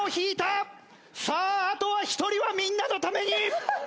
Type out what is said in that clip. さああとは１人はみんなのために！